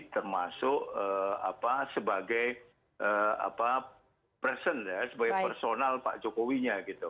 termasuk sebagai person sebagai personal pak jokowinya